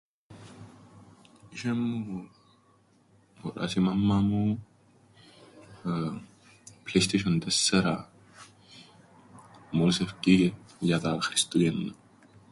Είσ̆εν μου... γοράσει η μάμμα μου... εεε... ππλέι στέισ̆ον τέσσερα, μόλις εφκήκεν, για τα... Χριστούγεννα.